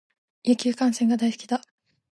野球観戦が好きだ。